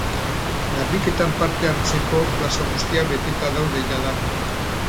Garbiketan parte hartzeko plaza guztiak beteta daude jada.